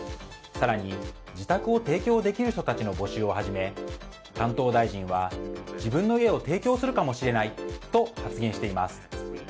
更に、自宅を提供できる人たちの募集を始め担当大臣は自分の家を提供するかもしれないと発言しています。